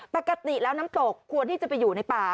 ปกติแล้วน้ำตกควรที่จะไปอยู่ในป่า